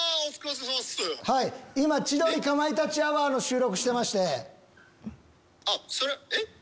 今『千鳥かまいたちアワー』の収録してまして。